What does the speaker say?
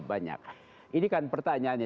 banyak ini kan pertanyaannya